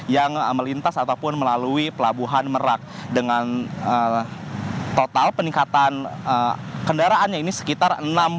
yang melintas ataupun melalui pelabuhan merak dengan total peningkatan kendaraannya ini sekitar enam puluh